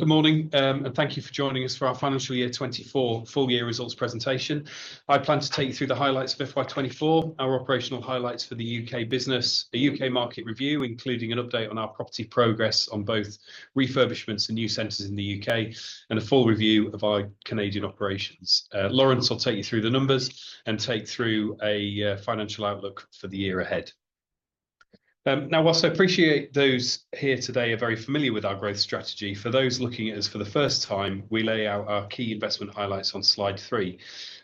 Good morning, and thank you for joining us for our Financial Year 24 full year results presentation. I plan to take you through the highlights of FY24, our operational highlights for the U.K. business, a U.K. market review, including an update on our property progress on both refurbishments and new centres in the U.K., and a full review of our Canadian operations. Laurence will take you through the numbers and take through a financial outlook for the year ahead. Now, whilst I appreciate those here today are very familiar with our growth strategy, for those looking at us for the first time, we lay out our key investment highlights on slide three.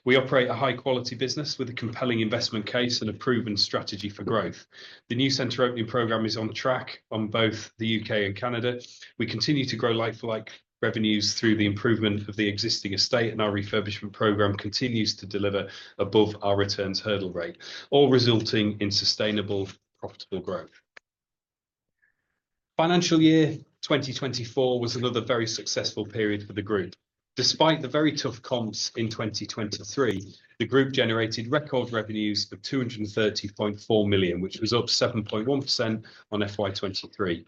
We operate a high-quality business with a compelling investment case and a proven strategy for growth. The new centre opening programme is on track on both the U.K. and Canada. We continue to grow like-for-like revenues through the improvement of the existing estate, and our refurbishment program continues to deliver above our returns hurdle rate, all resulting in sustainable, profitable growth. Financial Year 2024 was another very successful period for the group. Despite the very tough comps in 2023, the group generated record revenues of 230.4 million, which was up 7.1% on FY23.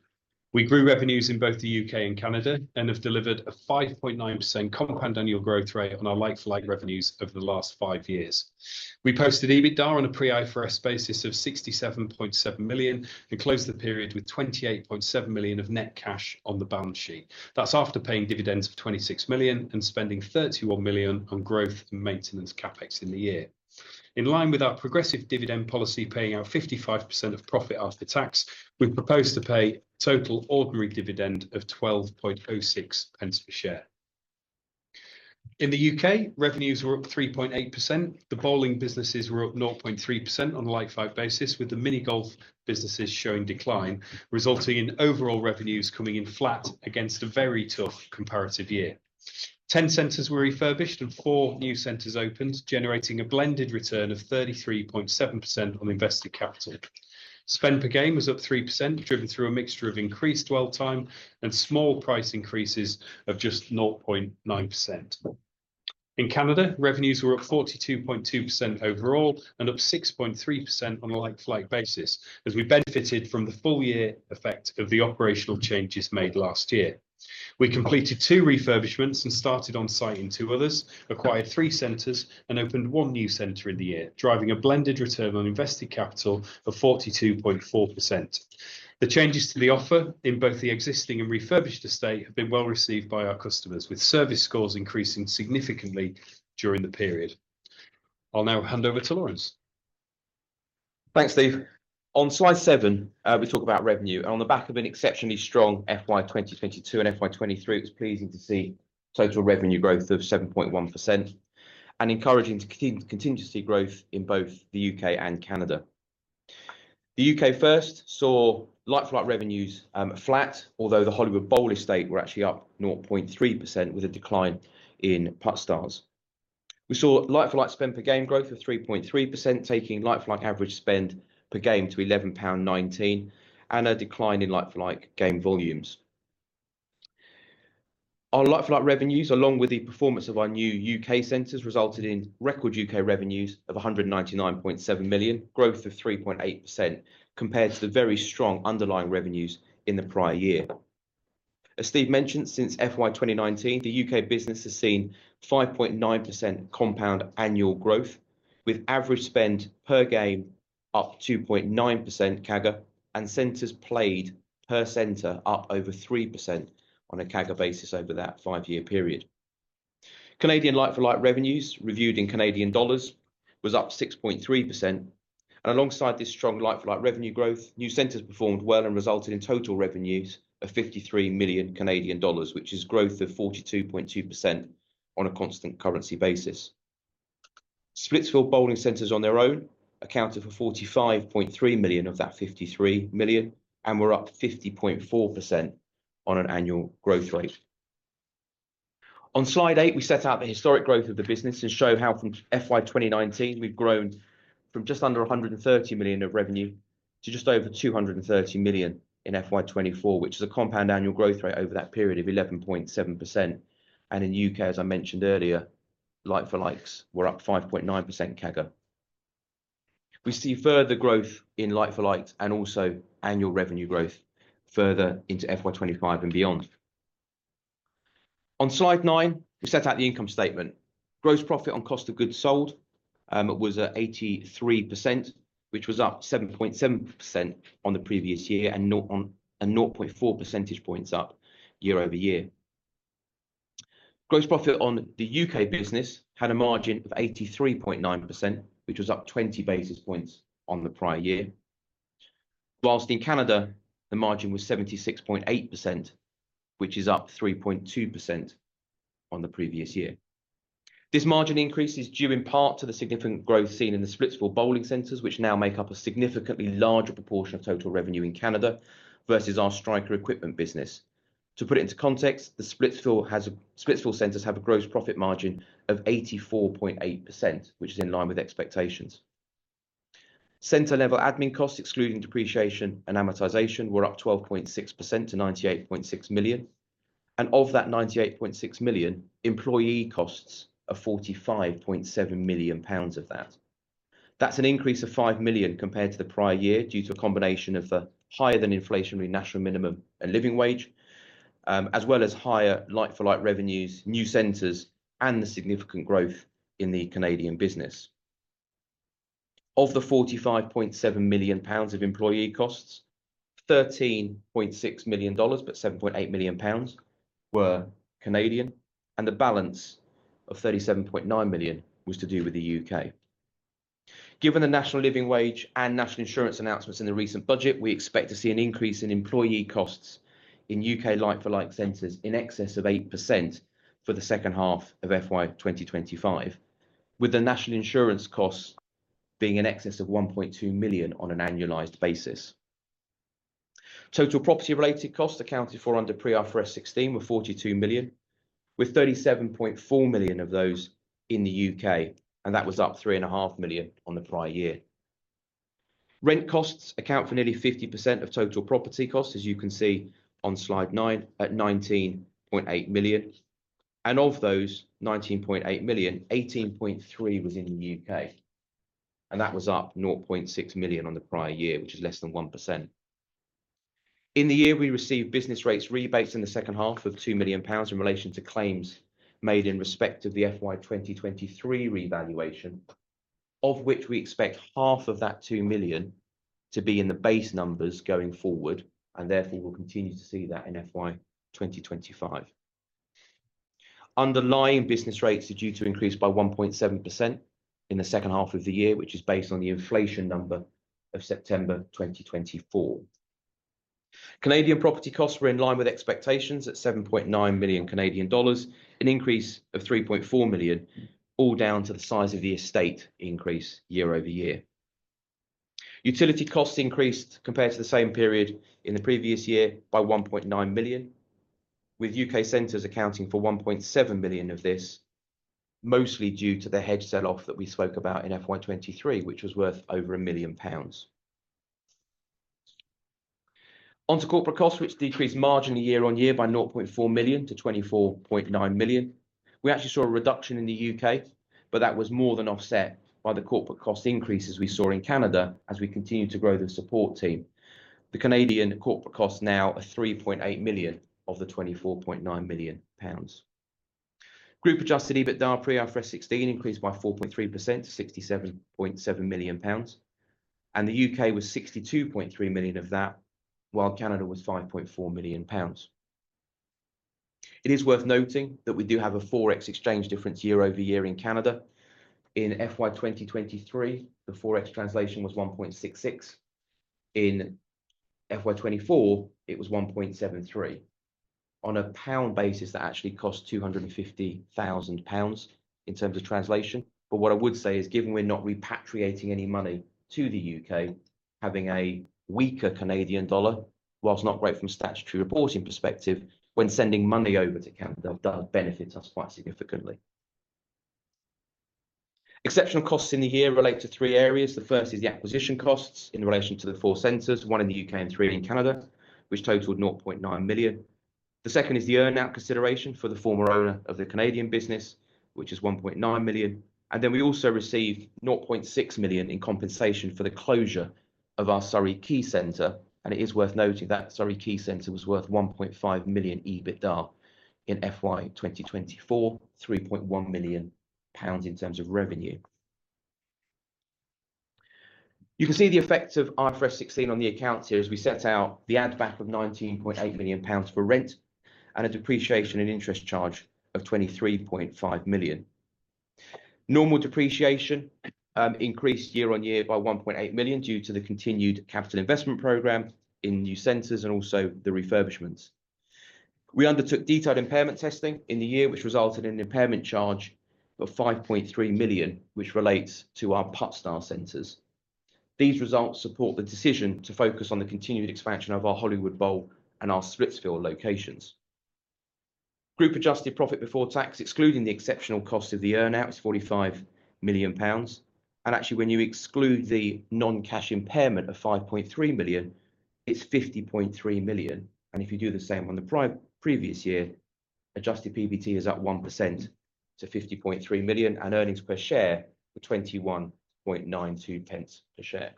We grew revenues in both the UK and Canada and have delivered a 5.9% compound annual growth rate on our like-for-like revenues over the last five years. We posted EBITDA on a pre-IFRS basis of 67.7 million and closed the period with 28.7 million of net cash on the balance sheet. That's after paying dividends of 26 million and spending 31 million on growth and maintenance Capex in the year. In line with our progressive dividend policy, paying out 55% of profit after tax, we propose to pay a total ordinary dividend of £12.06 per share. In the UK, revenues were up 3.8%. The bowling businesses were up 0.3% on a like-for-like basis, with the mini-golf businesses showing decline, resulting in overall revenues coming in flat against a very tough comparative year. Ten centers were refurbished and four new centers opened, generating a blended return of 33.7% on invested capital. Spend per game was up 3%, driven through a mixture of increased dwell time and small price increases of just 0.9%. In Canada, revenues were up 42.2% overall and up 6.3% on a like-for-like basis, as we benefited from the full year effect of the operational changes made last year. We completed two refurbishments and started on site in two others, acquired three centers, and opened one new center in the year, driving a blended return on invested capital of 42.4%. The changes to the offer in both the existing and refurbished estate have been well received by our customers, with service scores increasing significantly during the period. I'll now hand over to Laurence. Thanks, Steve. On slide seven, we talk about revenue, and on the back of an exceptionally strong FY22 and FY23, it was pleasing to see total revenue growth of 7.1% and encouraging continuous growth in both the UK and Canada. The UK first saw like-for-like revenues flat, although the Hollywood Bowl estate were actually up 0.3%, with a decline in Puttstars. We saw like-for-like spend per game growth of 3.3%, taking like-for-like average spend per game to £11.19 and a decline in like-for-like game volumes. Our like-for-like revenues, along with the performance of our new UK centers, resulted in record UK revenues of £199.7 million, growth of 3.8% compared to the very strong underlying revenues in the prior year. As Steve mentioned, since FY2019, the UK business has seen 5.9% compound annual growth, with average spend per game up 2.9% CAGR, and games played per center up over 3% on a CAGR basis over that five-year period. Canadian like-for-like revenues, reviewed in Canadian dollars, was up 6.3%. And alongside this strong like-for-like revenue growth, new centers performed well and resulted in total revenues of 53 million Canadian dollars, which is growth of 42.2% on a constant currency basis. Splitsville Bowling Centers on their own accounted for 45.3 million of that 53 million and were up 50.4% on an annual growth rate. On slide eight, we set out the historic growth of the business and show how from FY2019 we've grown from just under 130 million of revenue to just over 230 million in FY24, which is a compound annual growth rate over that period of 11.7%. In the UK, as I mentioned earlier, like-for-likes were up 5.9% CAGR. We see further growth in like-for-likes and also annual revenue growth further into FY25 and beyond. On slide nine, we set out the income statement. Gross profit on cost of goods sold was 83%, which was up 7.7% on the previous year and 0.4 percentage points up year-over-year. Gross profit on the UK business had a margin of 83.9%, which was up 20 basis points on the prior year, while in Canada the margin was 76.8%, which is up 3.2% on the previous year. This margin increase is due in part to the significant growth seen in the Splitsville bowling centres, which now make up a significantly larger proportion of total revenue in Canada versus our Striker equipment business. To put it into context, the Splitsville centers have a gross profit margin of 84.8%, which is in line with expectations. Center-level admin costs, excluding depreciation and amortization, were up 12.6% to 98.6 million, and of that 98.6 million, employee costs are 45.7 million pounds of that. That's an increase of 5 million compared to the prior year due to a combination of the higher-than-inflationary National Minimum and Living Wage, as well as higher like-for-like revenues, new centers, and the significant growth in the Canadian business. Of the 45.7 million pounds of employee costs, 7.8 million pounds were Canadian, and the balance of 37.9 million was to do with the UK. Given the National Living Wage and National Insurance announcements in the recent budget, we expect to see an increase in employee costs in U.K. like-for-like centers in excess of 8% for the second half of FY2025, with the National Insurance costs being in excess of 1.2 million on an annualized basis. Total property-related costs accounted for under Pre-IFRS 16 were 42 million, with 37.4 million of those in the U.K., and that was up 3.5 million on the prior year. Rent costs account for nearly 50% of total property costs, as you can see on slide nine, at 19.8 million. And of those 19.8 million, 18.3 million was in the U.K., and that was up 0.6 million on the prior year, which is less than 1%. In the year, we received business rates rebates in the second half of £2 million in relation to claims made in respect of the FY2023 revaluation, of which we expect £1 million to be in the base numbers going forward, and therefore we'll continue to see that in FY2025. Underlying business rates are due to increase by 1.7% in the second half of the year, which is based on the inflation number of September 2024. Canadian property costs were in line with expectations at 7.9 million Canadian dollars, an increase of 3.4 million, all down to the size of the estate increase year-over-year. Utility costs increased compared to the same period in the previous year by £1.9 million, with UK centres accounting for £1.7 million of this, mostly due to the hedge sell-off that we spoke about in FY23, which was worth over £1 million. Onto corporate costs, which decreased marginally year on year by 0.4 million to 24.9 million. We actually saw a reduction in the UK, but that was more than offset by the corporate cost increases we saw in Canada as we continued to grow the support team. The Canadian corporate costs now are 3.8 million of the 24.9 million pounds. Group adjusted EBITDA pre-IFRS 16 increased by 4.3% to 67.7 million pounds, and the UK was 62.3 million of that, while Canada was 5.4 million pounds. It is worth noting that we do have an FX exchange difference year-over-year in Canada. In FY 2023, the FX translation was 1.66. In FY 2024, it was 1.73. On a pound basis, that actually costs 250,000 pounds in terms of translation. But what I would say is, given we're not repatriating any money to the UK, having a weaker Canadian dollar, while not great from a statutory reporting perspective, when sending money over to Canada does benefit us quite significantly. Exceptional costs in the year relate to three areas. The first is the acquisition costs in relation to the four centers, one in the UK and three in Canada, which totaled £0.9 million. The second is the earn-out consideration for the former owner of the Canadian business, which is £1.9 million. And then we also received £0.6 million in compensation for the closure of our Surrey Quays Center. And it is worth noting that Surrey Quays Center was worth £1.5 million EBITDA in FY2024, £3.1 million in terms of revenue. You can see the effect of IFRS 16 on the accounts here as we set out the add-back of 19.8 million pounds for rent and a depreciation and interest charge of 23.5 million. Normal depreciation increased year on year by 1.8 million due to the continued capital investment program in new centers and also the refurbishments. We undertook detailed impairment testing in the year, which resulted in an impairment charge of 5.3 million, which relates to our Puttstars centers. These results support the decision to focus on the continued expansion of our Hollywood Bowl and our Splitsville locations. Group adjusted profit before tax, excluding the exceptional cost of the earn-out, is 45 million pounds, and actually, when you exclude the non-cash impairment of 5.3 million, it's 50.3 million. And if you do the same on the previous year, adjusted PBT is up 1% to 50.3 million and earnings per share were 21.92 per share.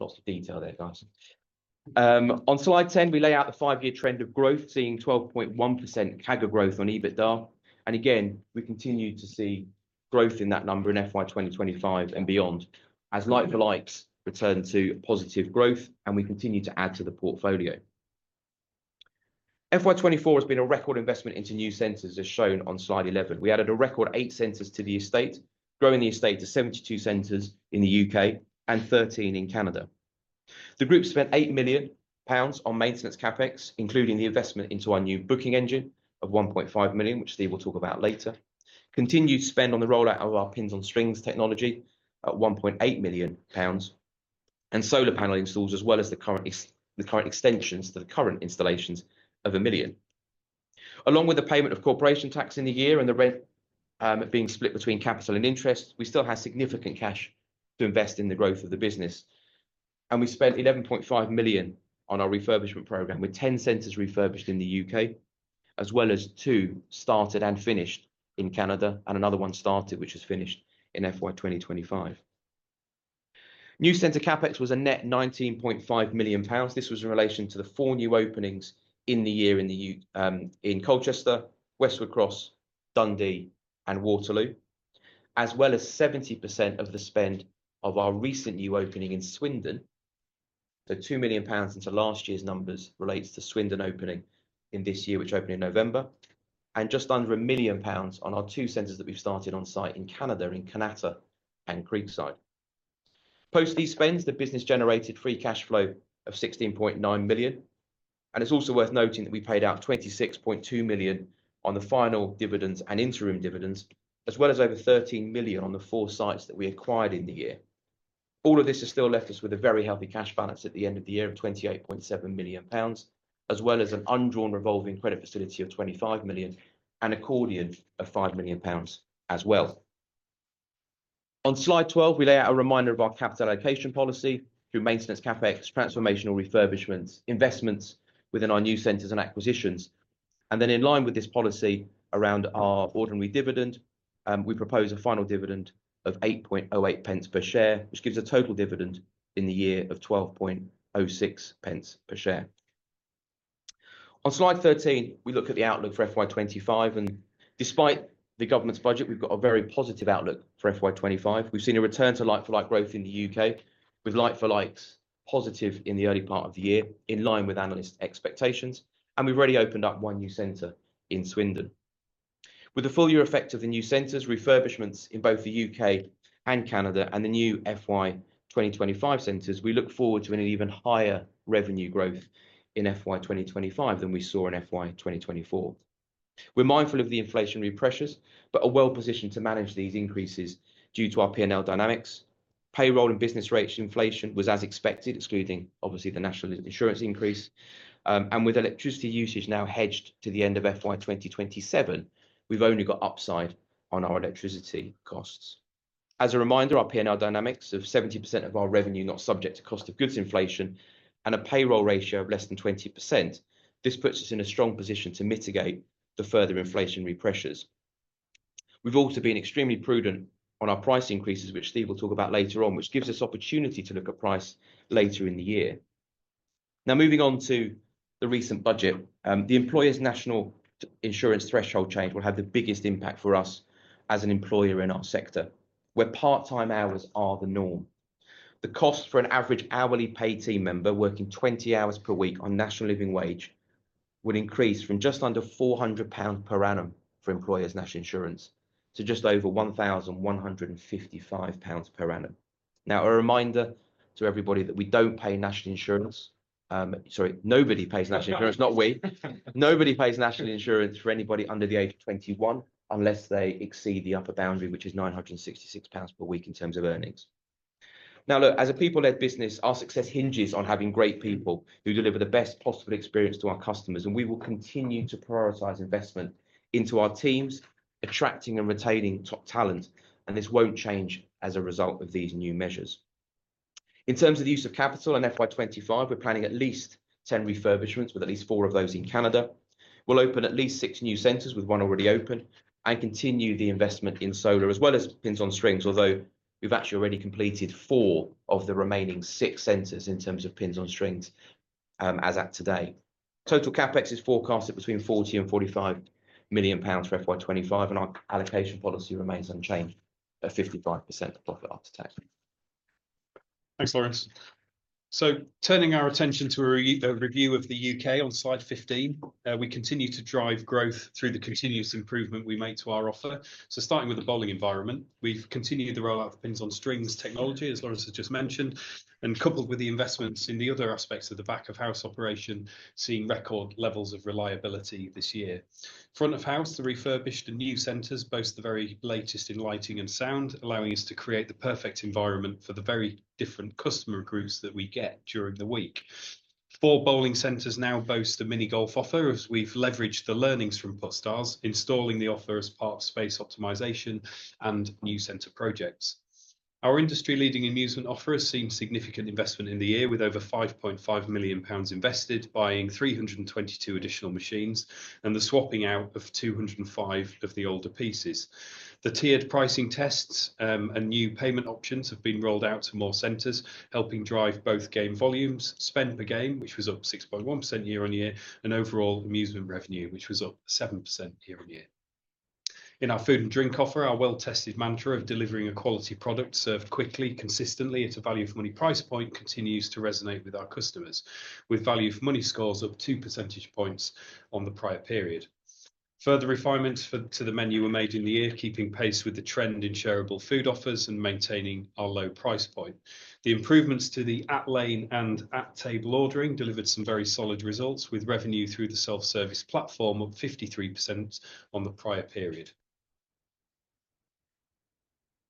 Lots of detail there, guys. On slide 10, we lay out the five-year trend of growth, seeing 12.1% CAGR growth on EBITDA. And again, we continue to see growth in that number in FY2025 and beyond as like-for-likes return to positive growth, and we continue to add to the portfolio. FY24 has been a record investment into new centers, as shown on slide 11. We added a record eight centers to the estate, growing the estate to 72 centers in the UK and 13 in Canada. The group spent 8 million pounds on maintenance CapEx, including the investment into our new booking engine of 1.5 million, which Steve will talk about later, continued spend on the rollout of our Pins on Strings technology at 1.8 million pounds, and solar panel installs, as well as the current extensions to the current installations, of 1 million. Along with the payment of corporation tax in the year and the rent being split between capital and interest, we still have significant cash to invest in the growth of the business. And we spent 11.5 million on our refurbishment program, with ten centers refurbished in the UK, as well as two started and finished in Canada, and another one started, which was finished in FY2025. New center CapEx was a net 19.5 million pounds. This was in relation to the four new openings in the year in Colchester, Westwood Cross, Dundee, and Waterloo, as well as 70% of the spend of our recent new opening in Swindon. So £2 million into last year's numbers relates to Swindon opening in this year, which opened in November, and just under £1 million on our two centers that we've started on site in Canada in Kanata and Creekside. Post these spends, the business generated free cash flow of £16.9 million. And it's also worth noting that we paid out £26.2 million on the final dividends and interim dividends, as well as over £13 million on the four sites that we acquired in the year. All of this has still left us with a very healthy cash balance at the end of the year of 28.7 million pounds, as well as an undrawn revolving credit facility of 25 million and accordion of 5 million pounds as well. On slide 12, we lay out a reminder of our capital allocation policy through maintenance CapEx, transformational refurbishment investments within our new centres and acquisitions. Then in line with this policy around our ordinary dividend, we propose a final dividend of 8.08 per share, which gives a total dividend in the year of 12.06 per share. On slide 13, we look at the outlook for FY25. Despite the government's budget, we've got a very positive outlook for FY25. We've seen a return to like-for-like growth in the UK, with like-for-likes positive in the early part of the year, in line with analyst expectations. We've already opened up one new centre in Swindon. With the full year effect of the new centres, refurbishments in both the UK and Canada and the new FY2025 centres, we look forward to an even higher revenue growth in FY2025 than we saw in FY2024. We're mindful of the inflationary pressures, but are well positioned to manage these increases due to our P&L dynamics. Payroll and business rates inflation was as expected, excluding obviously the National Insurance increase. With electricity usage now hedged to the end of FY2027, we've only got upside on our electricity costs. As a reminder, our P&L dynamics of 70% of our revenue not subject to cost of goods inflation and a payroll ratio of less than 20%, this puts us in a strong position to mitigate the further inflationary pressures. We've also been extremely prudent on our price increases, which Steve will talk about later on, which gives us opportunity to look at price later in the year. Now, moving on to the recent budget, the employer's National Insurance threshold change will have the biggest impact for us as an employer in our sector, where part-time hours are the norm. The cost for an average hourly pay team member working 20 hours per week on National Living Wage would increase from just under 400 pounds per annum for employers' National Insurance to just over 1,155 pounds per annum. Now, a reminder to everybody that we don't pay National Insurance. Sorry, nobody pays National Insurance, not we. Nobody pays National Insurance for anybody under the age of 21 unless they exceed the upper boundary, which is 966 pounds per week in terms of earnings. Now, look, as a people-led business, our success hinges on having great people who deliver the best possible experience to our customers, and we will continue to prioritize investment into our teams, attracting and retaining top talent, and this won't change as a result of these new measures. In terms of the use of capital in FY25, we're planning at least ten refurbishments, with at least four of those in Canada. We'll open at least six new centers with one already open and continue the investment in solar, as well as Pins on Strings, although we've actually already completed four of the remaining six centers in terms of Pins on Strings as at today. Total CapEx is forecasted between 40 million and 45 million pounds for FY25, and our allocation policy remains unchanged at 55% profit after tax. Thanks, Laurence. Turning our attention to a review of the UK on Slide 15, we continue to drive growth through the continuous improvement we make to our offer. Starting with the bowling environment, we've continued the rollout of Pins on Strings technology, as Laurence has just mentioned, and coupled with the investments in the other aspects of the back-of-house operation, seeing record levels of reliability this year. Front-of-house, the refurbished and new centers boast the very latest in lighting and sound, allowing us to create the perfect environment for the very different customer groups that we get during the week. Four bowling centers now boast a mini-golf offer, as we've leveraged the learnings from Puttstars, installing the offer as part of space optimization and new center projects. Our industry-leading amusement offer has seen significant investment in the year, with over £5.5 million invested, buying 322 additional machines and the swapping out of 205 of the older pieces. The tiered pricing tests and new payment options have been rolled out to more centers, helping drive both game volumes, spend per game, which was up 6.1% year on year, and overall amusement revenue, which was up 7% year on year. In our food and drink offer, our well-tested mantra of delivering a quality product served quickly, consistently at a value for money price point continues to resonate with our customers, with value for money scores up 2 percentage points on the prior period. Further refinements to the menu were made in the year, keeping pace with the trend in shareable food offers and maintaining our low price point. The improvements to the at-lane and at-table ordering delivered some very solid results, with revenue through the self-service platform of 53% on the prior period.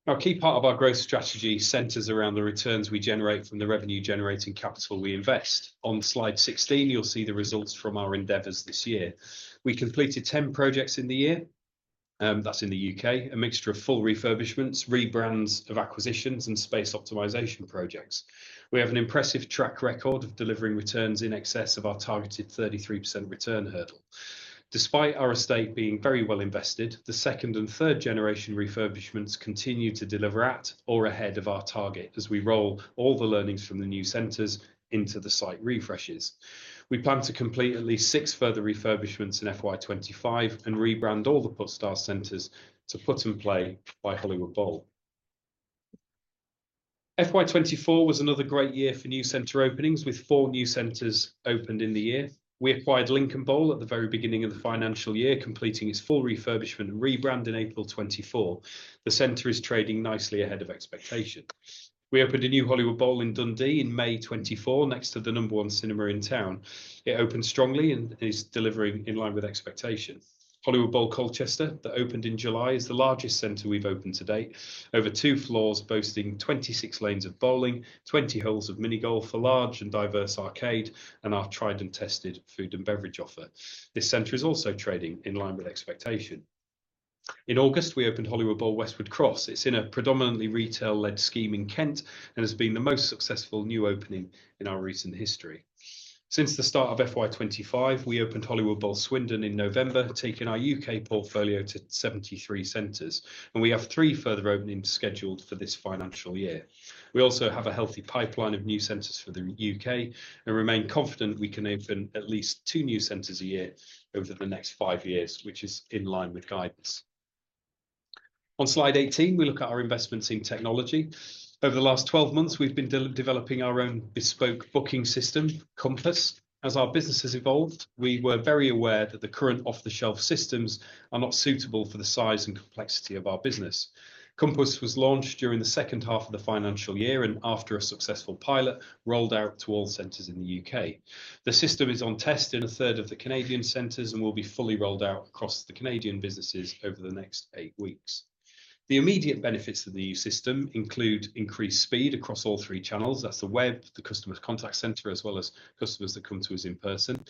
Our key part of our growth strategy centers around the returns we generate from the revenue-generating capital we invest. On slide 16, you'll see the results from our endeavors this year. We completed ten projects in the year. That's in the U.K., a mixture of full refurbishments, rebrands of acquisitions, and space optimization projects. We have an impressive track record of delivering returns in excess of our targeted 33% return hurdle. Despite our estate being very well invested, the second and third generation refurbishments continue to deliver at or ahead of our target as we roll all the learnings from the new centers into the site refreshes. We plan to complete at least six further refurbishments in FY25 and rebrand all the Puttstars centres to Putt & Play by Hollywood Bowl. FY24 was another great year for new centre openings, with four new centres opened in the year. We acquired Lincoln Bowl at the very beginning of the financial year, completing its full refurbishment and rebrand in April 2024. The centre is trading nicely ahead of expectations. We opened a new Hollywood Bowl in Dundee in May 2024, next to the number one cinema in town. It opened strongly and is delivering in line with expectations. Hollywood Bowl Colchester, that opened in July, is the largest centre we've opened to date, over two floors boasting 26 lanes of bowling, 20 holes of mini golf, a large and diverse arcade, and our tried and tested food and beverage offer. This center is also trading in line with expectations. In August, we opened Hollywood Bowl Westwood Cross. It's in a predominantly retail-led scheme in Kent and has been the most successful new opening in our recent history. Since the start of FY25, we opened Hollywood Bowl Swindon in November, taking our U.K. portfolio to 73 centers, and we have three further openings scheduled for this financial year. We also have a healthy pipeline of new centers for the U.K. and remain confident we can open at least two new centers a year over the next five years, which is in line with guidance. On slide 18, we look at our investments in technology. Over the last 12 months, we've been developing our own bespoke booking system, Compass. As our business has evolved, we were very aware that the current off-the-shelf systems are not suitable for the size and complexity of our business. Compass was launched during the second half of the financial year and after a successful pilot rolled out to all centres in the UK. The system is on test in a third of the Canadian centres and will be fully rolled out across the Canadian businesses over the next eight weeks. The immediate benefits of the new system include increased speed across all three channels. That's the web, the customer's contact centre, as well as customers that come to us in person.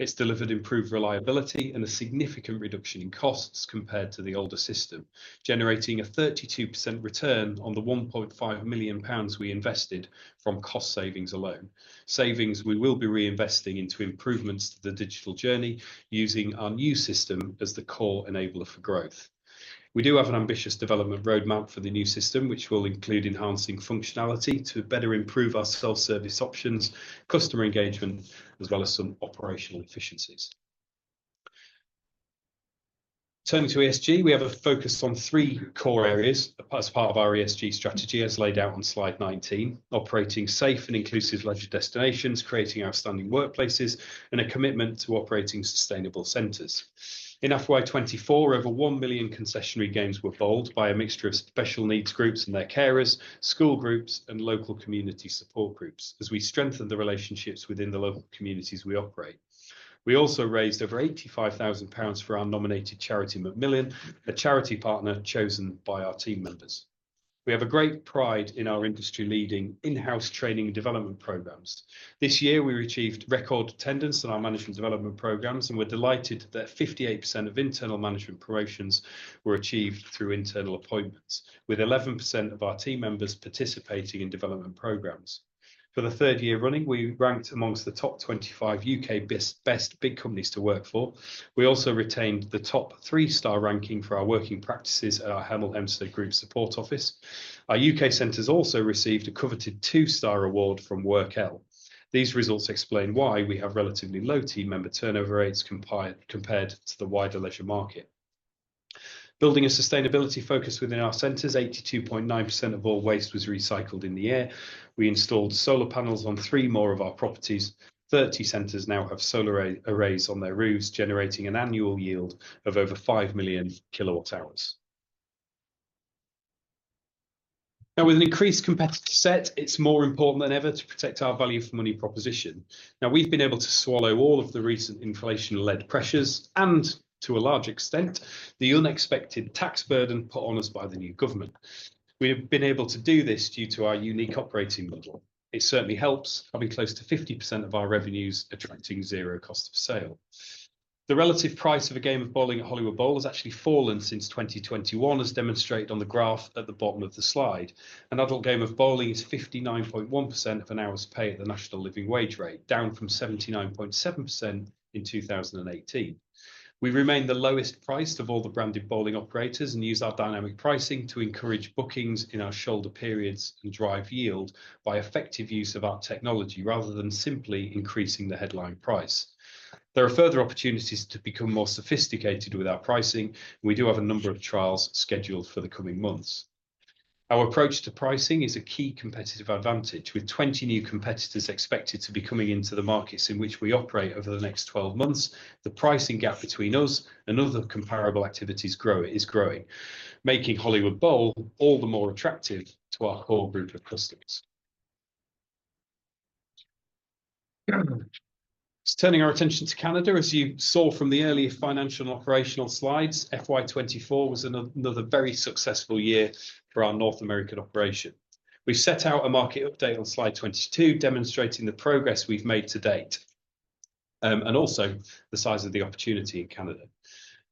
It's delivered improved reliability and a significant reduction in costs compared to the older system, generating a 32% return on the 1.5 million pounds we invested from cost savings alone. Savings we will be reinvesting into improvements to the digital journey using our new system as the core enabler for growth. We do have an ambitious development roadmap for the new system, which will include enhancing functionality to better improve our self-service options, customer engagement, as well as some operational efficiencies. Turning to ESG, we have a focus on three core areas as part of our ESG strategy, as laid out on slide 19: operating safe and inclusive leisure destinations, creating outstanding workplaces, and a commitment to operating sustainable centers. In FY24, over one million concessionary games were bowled by a mixture of special needs groups and their carers, school groups, and local community support groups as we strengthen the relationships within the local communities we operate. We also raised over 85,000 pounds for our nominated charity, Macmillan, a charity partner chosen by our team members. We have a great pride in our industry-leading in-house training and development programs. This year, we achieved record attendance in our management development programs and were delighted that 58% of internal management promotions were achieved through internal appointments, with 11% of our team members participating in development programs. For the third year running, we ranked among the top 25 UK best big companies to work for. We also retained the top three-star ranking for our working practices at our Hemel Hempstead Group Support Office. Our UK centers also received a coveted two-star award from WorkL. These results explain why we have relatively low team member turnover rates compared to the wider leisure market. Building a sustainability focus within our centers, 82.9% of all waste was recycled in the year. We installed solar panels on three more of our properties. 30 centers now have solar arrays on their roofs, generating an annual yield of over 5 million kilowatt-hours. Now, with an increased competitive set, it's more important than ever to protect our value for money proposition. Now, we've been able to swallow all of the recent inflation-led pressures and, to a large extent, the unexpected tax burden put on us by the new government. We have been able to do this due to our unique operating model. It certainly helps, having close to 50% of our revenues attracting zero cost of sale. The relative price of a game of bowling at Hollywood Bowl has actually fallen since 2021, as demonstrated on the graph at the bottom of the slide. An adult game of bowling is 59.1% of an hour's pay at the National Living Wage rate, down from 79.7% in 2018. We remain the lowest priced of all the branded bowling operators and use our dynamic pricing to encourage bookings in our shoulder periods and drive yield by effective use of our technology rather than simply increasing the headline price. There are further opportunities to become more sophisticated with our pricing, and we do have a number of trials scheduled for the coming months. Our approach to pricing is a key competitive advantage. With 20 new competitors expected to be coming into the markets in which we operate over the next 12 months, the pricing gap between us and other comparable activities is growing, making Hollywood Bowl all the more attractive to our core group of customers. Turning our attention to Canada, as you saw from the earlier financial and operational slides, FY24 was another very successful year for our North American operation. We've set out a market update on slide 22, demonstrating the progress we've made to date and also the size of the opportunity in Canada.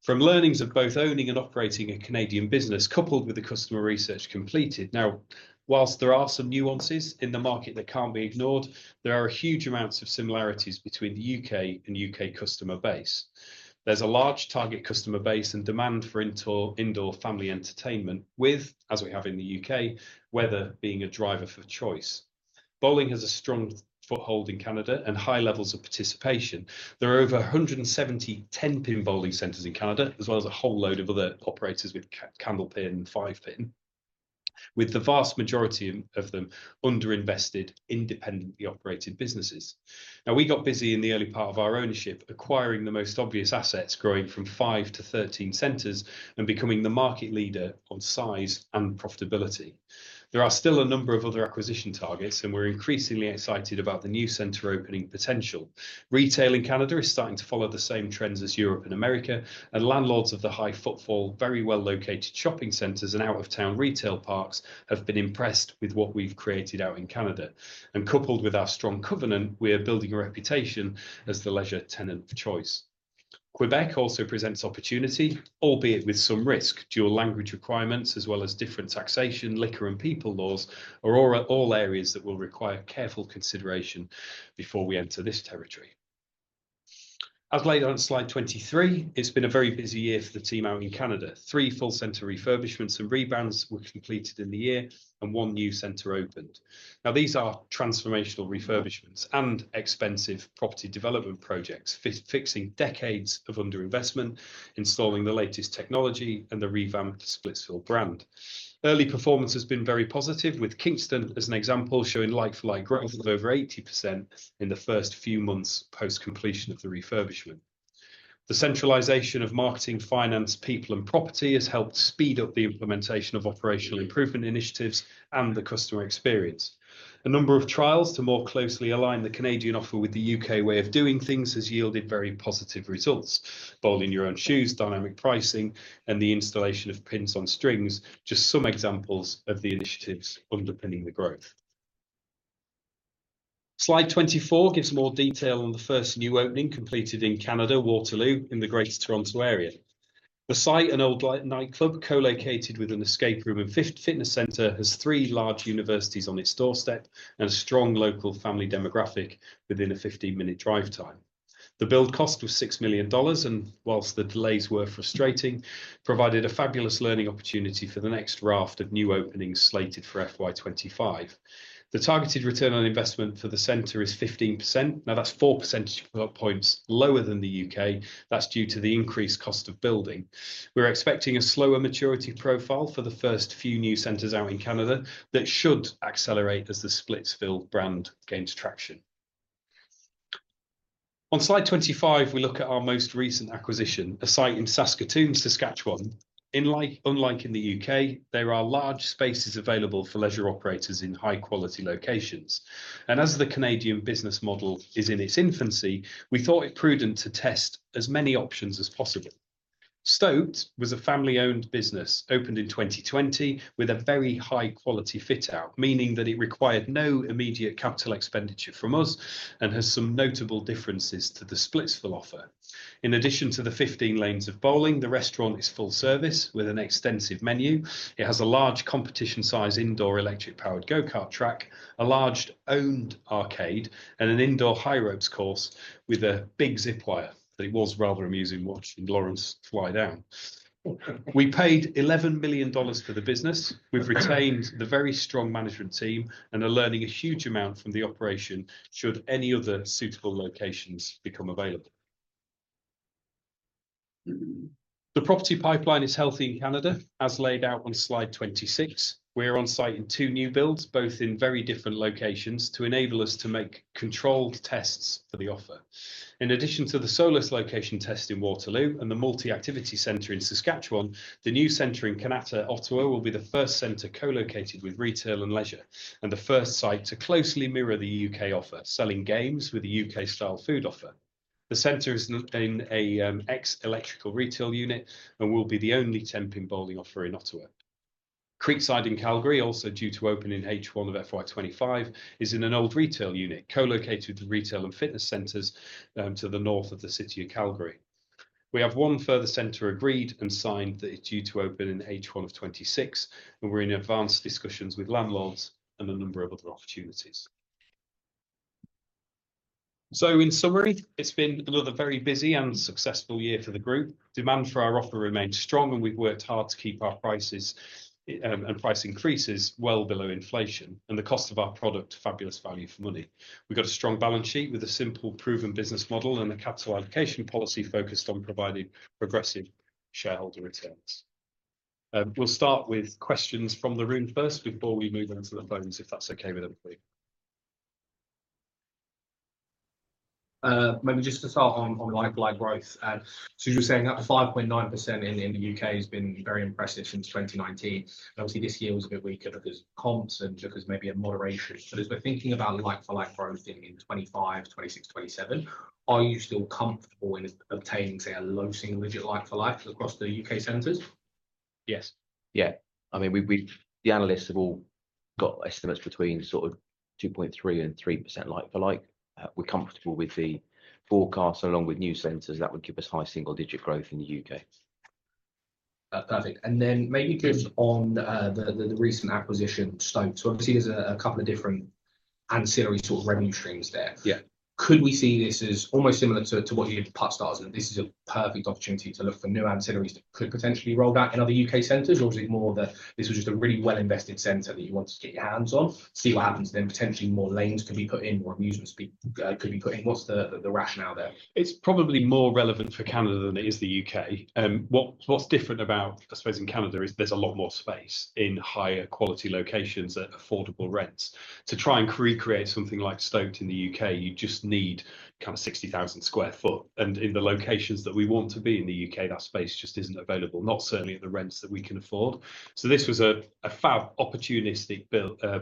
From learnings of both owning and operating a Canadian business, coupled with the customer research completed. Now, while there are some nuances in the market that can't be ignored, there are huge amounts of similarities between the UK and Canadian customer base. There's a large target customer base and demand for indoor family entertainment, with, as we have in the UK, weather being a driver for choice. Bowling has a strong foothold in Canada and high levels of participation. There are over 170 10-pin bowling centers in Canada, as well as a whole load of other operators with candlepin and five-pin, with the vast majority of them underinvested, independently operated businesses. Now, we got busy in the early part of our ownership, acquiring the most obvious assets, growing from five to 13 centers and becoming the market leader on size and profitability. There are still a number of other acquisition targets, and we're increasingly excited about the new center opening potential. Retail in Canada is starting to follow the same trends as Europe and America, and landlords of the high footfall, very well-located shopping centers and out-of-town retail parks have been impressed with what we've created out in Canada. And coupled with our strong covenant, we are building a reputation as the lead tenant of choice. Quebec also presents opportunity, albeit with some risk, due to language requirements, as well as different taxation, liquor and people laws, or all areas that will require careful consideration before we enter this territory. As laid out on slide 23, it's been a very busy year for the team out in Canada. Three full center refurbishments and rebrands were completed in the year and one new center opened. Now, these are transformational refurbishments and expensive property development projects fixing decades of underinvestment, installing the latest technology and the revamped Splitsville brand. Early performance has been very positive, with Kingston as an example showing like-for-like growth of over 80% in the first few months post-completion of the refurbishment. The centralization of marketing, finance, people and property has helped speed up the implementation of operational improvement initiatives and the customer experience. A number of trials to more closely align the Canadian offer with the U.K. way of doing things has yielded very positive results. Bowling in your own shoes, dynamic pricing and the installation of pins on strings are just some examples of the initiatives underpinning the growth. Slide 24 gives more detail on the first new opening completed in Canada, Waterloo, in the greater Toronto area. The site, an old nightclub co-located with an escape room and fitness center, has three large universities on its doorstep and a strong local family demographic within a 15-minute drive time. The build cost was 6 million dollars, and whilst the delays were frustrating, it provided a fabulous learning opportunity for the next raft of new openings slated for FY25. The targeted return on investment for the center is 15%. Now, that's four percentage points lower than the UK. That's due to the increased cost of building. We're expecting a slower maturity profile for the first few new centres out in Canada that should accelerate as the Splitsville brand gains traction. On slide 25, we look at our most recent acquisition, a site in Saskatoon, Saskatchewan. Unlike in the UK, there are large spaces available for leisure operators in high-quality locations, and as the Canadian business model is in its infancy, we thought it prudent to test as many options as possible. Stoked was a family-owned business opened in 2020 with a very high-quality fit-out, meaning that it required no immediate capital expenditure from us and has some notable differences to the Splitsville offer. In addition to the 15 lanes of bowling, the restaurant is full service with an extensive menu. It has a large competition-sized indoor electric-powered go-kart track, a large owned arcade, and an indoor high ropes course with a big zip wire that it was rather amusing watching Laurence fly down. We paid 11 million dollars for the business. We've retained the very strong management team and are learning a huge amount from the operation should any other suitable locations become available. The property pipeline is healthy in Canada, as laid out on slide 26. We're on site in two new builds, both in very different locations, to enable us to make controlled tests for the offer. In addition to the sole location test in Waterloo and the multi-activity centre in Saskatchewan, the new centre in Kanata, Ottawa, will be the first centre co-located with retail and leisure and the first site to closely mirror the UK offer, selling games with a UK-style food offer. The center is in an ex-electrical retail unit and will be the only 10-pin bowling offer in Ottawa. Creekside in Calgary, also due to open in H1 of FY25, is in an old retail unit co-located with retail and fitness centers to the north of the city of Calgary. We have one further center agreed and signed that it's due to open in H1 of 26, and we're in advanced discussions with landlords and a number of other opportunities. So, in summary, it's been another very busy and successful year for the group. Demand for our offer remained strong, and we've worked hard to keep our prices and price increases well below inflation and the cost of our product a fabulous value for money. We've got a strong balance sheet with a simple, proven business model and a capital allocation policy focused on providing progressive shareholder returns. We'll start with questions from the room first before we move on to the phones, if that's okay with everybody. Maybe just to start on like-for-like growth. So, you were saying that the 5.9% in the UK has been very impressive since 2019. Obviously, this year was a bit weaker because of comps and just because maybe a moderation. But as we're thinking about like-for-like growth in 2025, 2026, 2027, are you still comfortable in obtaining, say, a low single-digit like-for-like across the UK centers? Yes. Yeah. I mean, the analysts have all got estimates between sort of 2.3%-3% like-for-like. We're comfortable with the forecast along with new centers that would give us high single-digit growth in the UK. Perfect. And then maybe just on the recent acquisition, Stoked. So, obviously, there's a couple of different ancillary sort of revenue streams there. Yeah. Could we see this as almost similar to what you put start as this is a perfect opportunity to look for new ancillaries that could potentially roll out in other U.K. centers? Or is it more that this was just a really well-invested center that you want to get your hands on, see what happens to them, potentially more lanes could be put in, more amusements could be put in? What's the rationale there? It's probably more relevant for Canada than it is the U.K. What's different about, I suppose, in Canada is there's a lot more space in higher quality locations at affordable rents. To try and recreate something like Stoked in the U.K., you just need kind of 60,000 sq ft, and in the locations that we want to be in the U.K., that space just isn't available, not certainly at the rents that we can afford. So, this was an opportunistic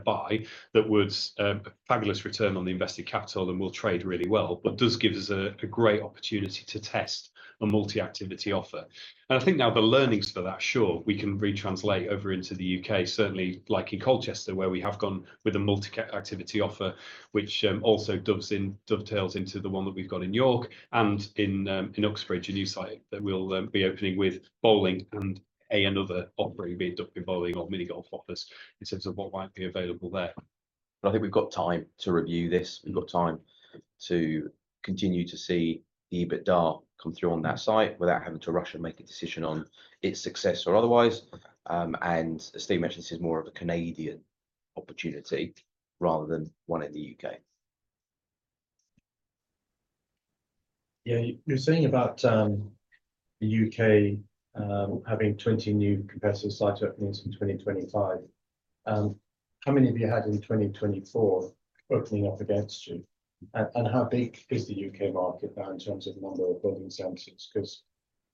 buy that would have a fabulous return on the invested capital and will trade really well, but does give us a great opportunity to test a multi-activity offer. And I think now the learnings for that, sure, we can retranslate over into the UK, certainly like in Colchester, where we have gone with a multi-activity offer, which also dovetails into the one that we've got in York and in Uxbridge, a new site that we'll be opening with bowling and another offering being bowling or mini-golf offers in terms of what might be available there. But I think we've got time to review this. We've got time to continue to see EBITDA come through on that site without having to rush and make a decision on its success or otherwise. As Steve mentioned, this is more of a Canadian opportunity rather than one in the UK. Yeah, you're saying about the UK having 20 new competitive sites opening in 2025. How many have you had in 2024 opening up against you? And how big is the UK market now in terms of the number of bowling centres? Because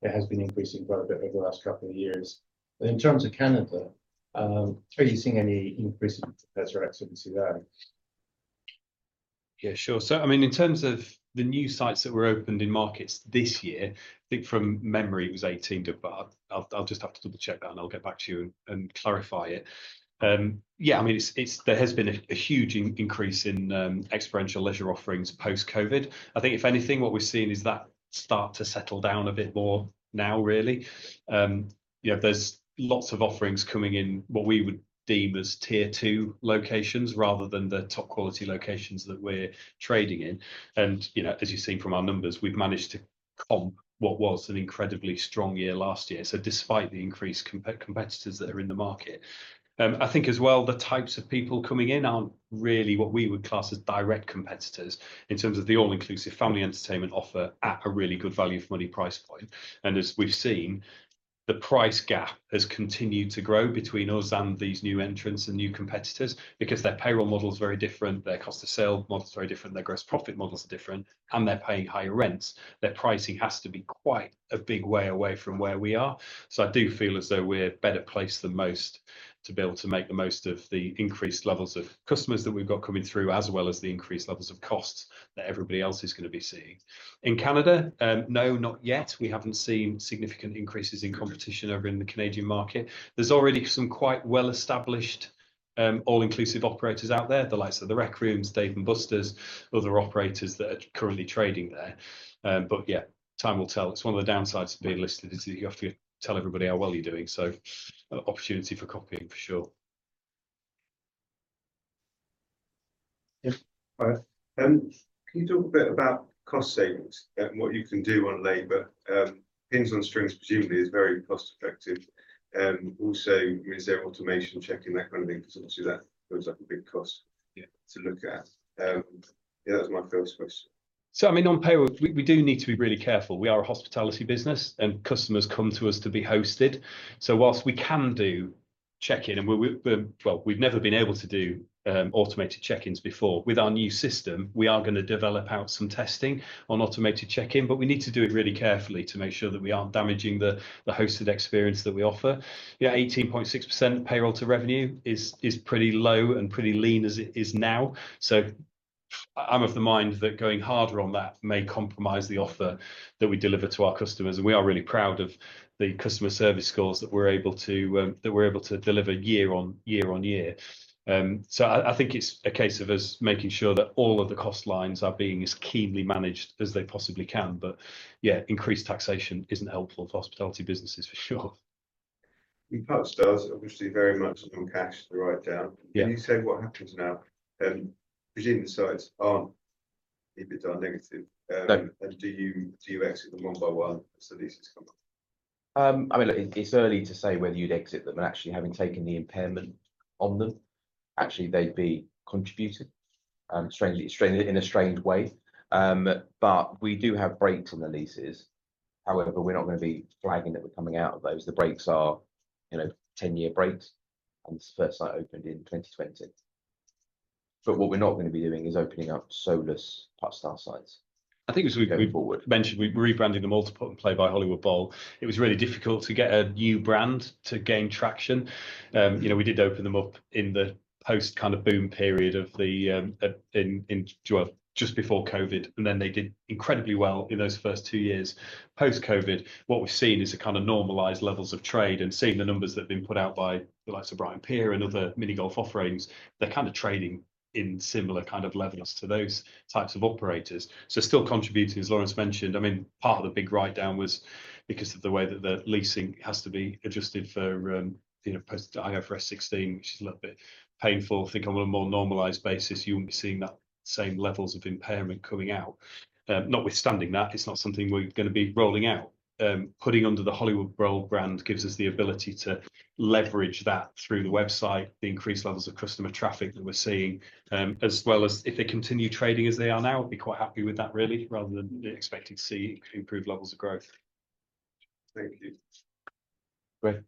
it has been increasing quite a bit over the last couple of years. In terms of Canada, are you seeing any increase in competitor activity there? Yeah, sure. I mean, in terms of the new sites that were opened in markets this year, I think from memory it was 18 too, but I'll just have to double-check that, and I'll get back to you and clarify it. Yeah, I mean, there has been a huge increase in experiential leisure offerings post-COVID. I think if anything, what we're seeing is that start to settle down a bit more now, really. There's lots of offerings coming in what we would deem as tier two locations rather than the top quality locations that we're trading in. And as you've seen from our numbers, we've managed to comp what was an incredibly strong year last year. So, despite the increased competitors that are in the market, I think as well, the types of people coming in aren't really what we would class as direct competitors in terms of the all-inclusive family entertainment offer at a really good value for money price point. As we've seen, the price gap has continued to grow between us and these new entrants and new competitors because their payroll model is very different, their cost of sale model is very different, their gross profit models are different, and they're paying higher rents. Their pricing has to be quite a big way away from where we are. So, I do feel as though we're better placed than most to be able to make the most of the increased levels of customers that we've got coming through, as well as the increased levels of costs that everybody else is going to be seeing. In Canada, no, not yet. We haven't seen significant increases in competition over in the Canadian market. There's already some quite well-established all-inclusive operators out there, the likes of the Rec Room, Dave & Buster's, other operators that are currently trading there. But yeah, time will tell. It's one of the downsides of being listed is that you have to tell everybody how well you're doing. So, opportunity for copying for sure. Yeah. All right. Can you talk a bit about cost savings and what you can do on labor? Pins on Strings presumably is very cost-effective. Also, is there automation checking, that kind of thing? Because obviously that feels like a big cost to look at. Yeah, that's my first question. So, I mean, on payroll, we do need to be really careful. We are a hospitality business, and customers come to us to be hosted. So, while we can do check-in, and well, we've never been able to do automated check-ins before, with our new system, we are going to develop out some testing on automated check-in, but we need to do it really carefully to make sure that we aren't damaging the hosted experience that we offer. Yeah, 18.6% payroll to revenue is pretty low and pretty lean as it is now. So, I'm of the mind that going harder on that may compromise the offer that we deliver to our customers. And we are really proud of the customer service scores that we're able to deliver year on year on year. So, I think it's a case of us making sure that all of the cost lines are being as keenly managed as they possibly can. But yeah, increased taxation isn't helpful for hospitality businesses for sure. You touched us, obviously, very much on cash to write down. Can you say what happens now? Presumably, the sites aren't EBITDA negative. And do you exit them one by one as the leases come up? I mean, it's early to say whether you'd exit them. And actually, having taken the impairment on them, actually, they'd contribute, strangely in a strange way. But we do have breaks in the leases. However, we're not going to be flagging that we're coming out of those. The breaks are 10-year breaks, and the first site opened in 2020. But what we're not going to be doing is opening up smaller footprint-style sites. I think as we mentioned, we're rebranding the Putt & play by Hollywood Bowl. It was really difficult to get a new brand to gain traction. We did open them up in the post kind of boom period of the, well, just before COVID. And then they did incredibly well in those first two years. Post-COVID, what we've seen is a kind of normalized levels of trade and seeing the numbers that have been put out by the likes of Brighton Pier and other mini golf offerings, they're kind of trading in similar kind of levels to those types of operators. So, still contributing, as Laurence mentioned. I mean, part of the big write-down was because of the way that the leasing has to be adjusted for post-IFRS 16, which is a little bit painful. I think on a more normalized basis, you won't be seeing that same levels of impairment coming out. Notwithstanding that, it's not something we're going to be rolling out. Putting under the Hollywood Bowl brand gives us the ability to leverage that through the website, the increased levels of customer traffic that we're seeing, as well as if they continue trading as they are now, I'd be quite happy with that, really, rather than expecting to see improved levels of growth. Thank you. Great.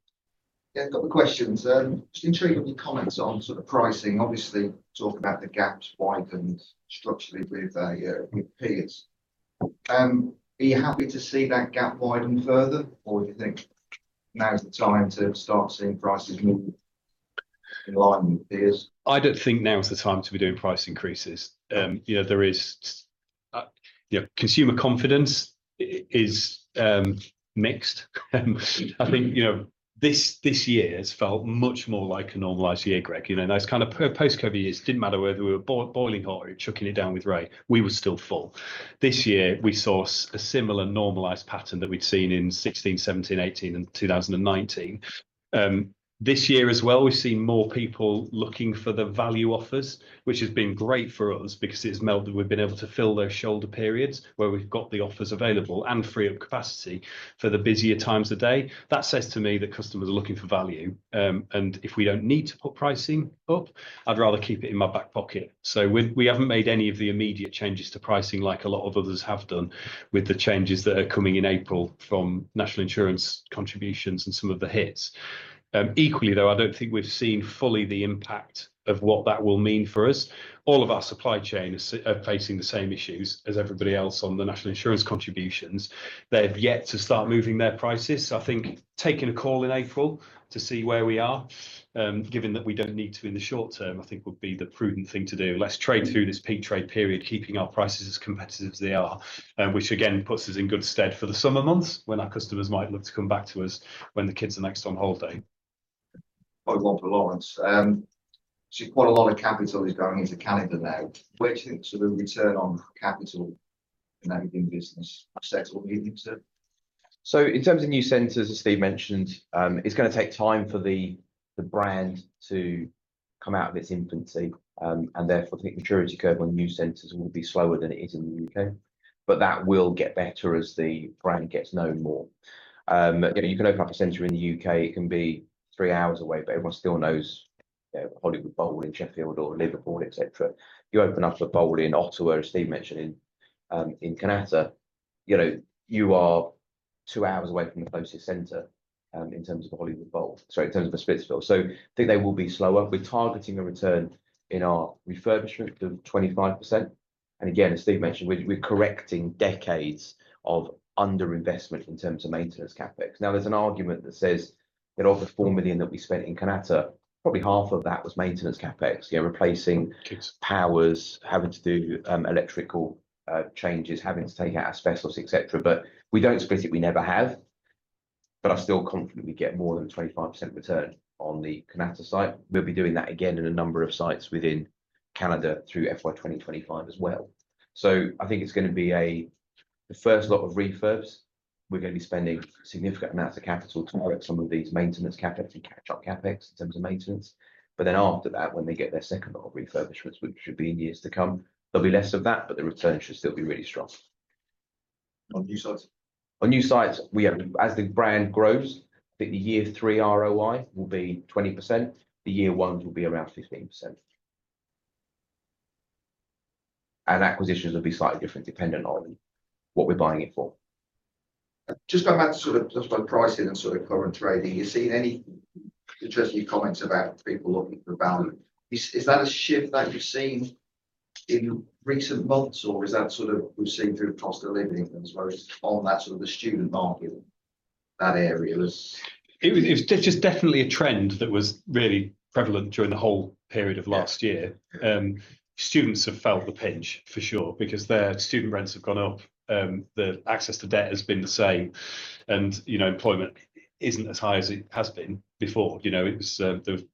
Yeah, a couple of questions. Just intriguing comments on sort of pricing. Obviously, talk about the gaps widened structurally with peers. Are you happy to see that gap widen further, or do you think now is the time to start seeing prices move in line with peers? I don't think now is the time to be doing price increases. There is consumer confidence is mixed. I think this year has felt much more like a normalized year, Greg. In those kind of post-COVID years, it didn't matter whether we were boiling hot or chucking it down with rain, we were still full. This year, we saw a similar normalized pattern that we'd seen in 2016, 2017, 2018, and 2019. This year as well, we've seen more people looking for the value offers, which has been great for us because it's meant that we've been able to fill those shoulder periods where we've got the offers available and free up capacity for the busier times of day. That says to me that customers are looking for value. And if we don't need to put pricing up, I'd rather keep it in my back pocket. So, we haven't made any of the immediate changes to pricing like a lot of others have done with the changes that are coming in April from National Insurance contributions and some of the hits. Equally, though, I don't think we've seen fully the impact of what that will mean for us. All of our supply chains are facing the same issues as everybody else on the National Insurance contributions. They've yet to start moving their prices. I think taking a call in April to see where we are, given that we don't need to in the short term, I think would be the prudent thing to do. Let's trade through this peak trade period, keeping our prices as competitive as they are, which again puts us in good stead for the summer months when our customers might look to come back to us when the kids are next on holiday. Quite well, Laurence. Quite a lot of capital is going into Canada now. Where do you think sort of return on capital in that new business? Settle in, you'd say? So, in terms of new centers, as Steve mentioned, it's going to take time for the brand to come out of its infancy. And therefore, I think the maturity curve on new centers will be slower than it is in the U.K. But that will get better as the brand gets known more. You can open up a center in the U.K. It can be three hours away, but everyone still knows Hollywood Bowl in Sheffield or Liverpool, etc. You open up a Bowl in Ottawa, as Steve mentioned, in Kanata, you are two hours away from the closest center in terms of the Hollywood Bowl, sorry, in terms of the Splitsville. So, I think they will be slower. We're targeting a return in our refurbishment of 25%. And again, as Steve mentioned, we're correcting decades of underinvestment in terms of maintenance CapEx. Now, there's an argument that says that of the 4 million that we spent in Kanata, probably half of that was maintenance CapEx, replacing powers, having to do electrical changes, having to take out asbestos, etc. But we don't explicitly never have, but I'm still confident we get more than 25% return on the Kanata site. We'll be doing that again in a number of sites within Canada through FY 2025 as well. So, I think it's going to be the first lot of refurbs. We're going to be spending significant amounts of capital to correct some of these maintenance CapEx and catch-up CapEx in terms of maintenance. But then after that, when they get their second lot of refurbishments, which should be in years to come, there'll be less of that, but the return should still be really strong. On new sites? On new sites, as the brand grows, I think the year three ROI will be 20%. The year one will be around 15%. And acquisitions will be slightly different depending on what we're buying it for. Just about that sort of pricing and sort of current trading, you've seen any interesting comments about people looking for value. Is that a shift that you've seen in recent months, or is that sort of we've seen through cost of living as well as on that sort of the student market, that area? It was just definitely a trend that was really prevalent during the whole period of last year. Students have felt the pinch for sure because their student rents have gone up. The access to debt has been the same. And employment isn't as high as it has been before. It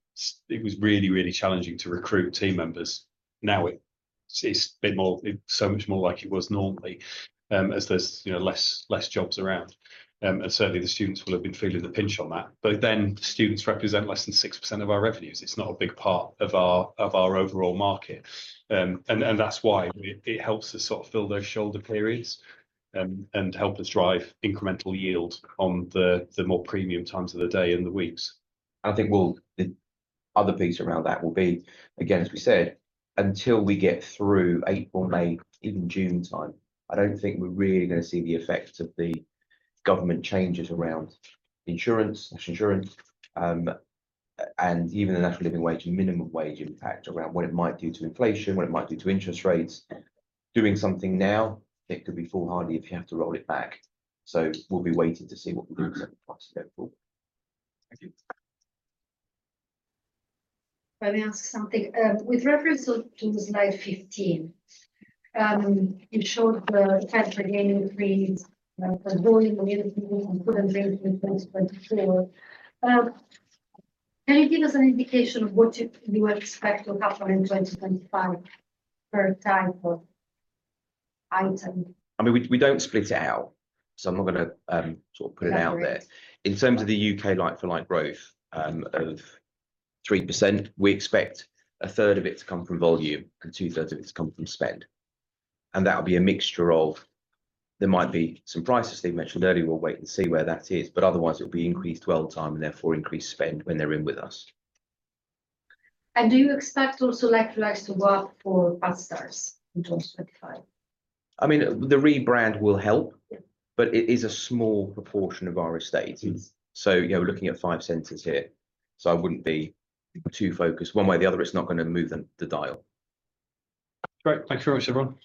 was really, really challenging to recruit team members. Now, it's been so much more like it was normally as there's less jobs around. And certainly, the students will have been feeling the pinch on that. But then students represent less than 6% of our revenues. It's not a big part of our overall market. And that's why it helps us sort of fill those shoulder periods and help us drive incremental yield on the more premium times of the day and the weeks. I think the other piece around that will be, again, as we said, until we get through April, May, even June time, I don't think we're really going to see the effects of the government changes around insurance, National Insurance, and even the National Living Wage, minimum wage impact around what it might do to inflation, what it might do to interest rates. Doing something now, it could be foolhardy if you have to roll it back. So, we'll be waiting to see what we do with certain prices going forward. Thank you. Let me ask something. With reference to Slide 15, you showed the like-for-like growth for bowling, amenities and food and drink in 2024. Can you give us an indication of what you expect to happen in 2025 by line item? I mean, we don't split it out. So, I'm not going to sort of put it out there. In terms of the UK like-for-like growth of 3%, we expect a third of it to come from volume and two-thirds of it to come from spend. And that'll be a mixture of there might be some prices, Steve mentioned earlier. We'll wait and see where that is. But otherwise, it'll be increased dwell time and therefore increased spend when they're in with us. And do you expect also like-for-likes to work for Puttstars in 2025? I mean, the rebrand will help, but it is a small proportion of our estate. So, we're looking at five centers here. So, I wouldn't be too focused. One way or the other, it's not going to move the dial. Great. Thanks very much, everyone.